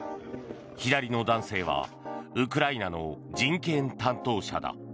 左の男性はウクライナの人権担当者だ。